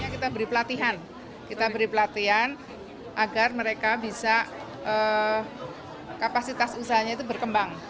kita beri pelatihan kita beri pelatihan agar mereka bisa kapasitas usahanya itu berkembang